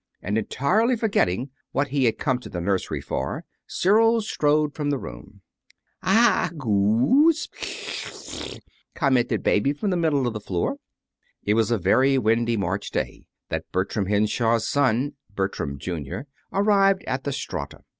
And, entirely forgetting what he had come to the nursery for, Cyril strode from the room. "Ah goo spggggh!" commented baby from the middle of the floor. It was on a very windy March day that Bertram Henshaw's son, Bertram, Jr., arrived at the Strata.